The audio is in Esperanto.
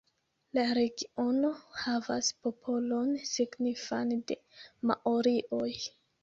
La regiono havas popolon signifan de maorioj.